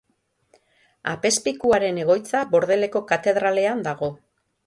Apezpikuaren egoitza Bordeleko katedralean dago.